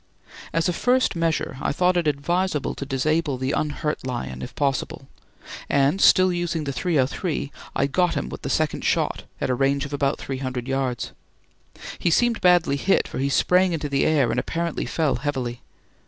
As a first measure I thought it advisable to disable the unhurt lion if possible, and, still using the .303, I got him with the second shot at a range of about three hundred yards. He seemed badly hit, for he sprang into the air and apparently fell heavily.